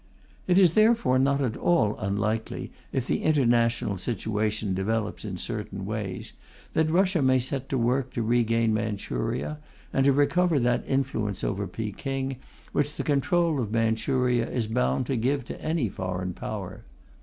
It is therefore not at all unlikely, if the international situation develops in certain ways, that Russia may set to work to regain Manchuria, and to recover that influence over Peking which the control of Manchuria is bound to give to any foreign Power.